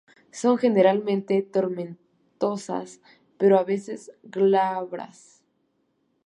Son generalmente tomentosas, pero a veces glabras.